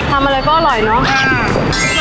ทำอะไรก็อร่อยเนาะ